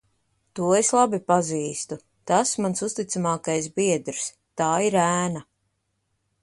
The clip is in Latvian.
To es labi pazīstu. Tas mans uzticamākais biedrs. Tā ir ēna.